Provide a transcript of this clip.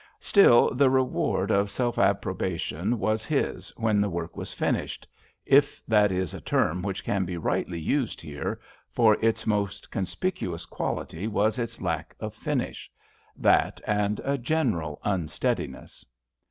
Still the reward of self approbation was his when the work was finished — if that is a term which can be rightly used here, for its most conspicuous quality was its lack of finish — that, and a general unsteadiness.